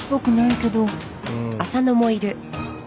うん。